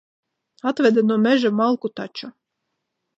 Atveda no meža malku taču.